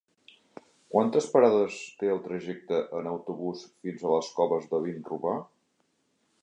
Quantes parades té el trajecte en autobús fins a les Coves de Vinromà?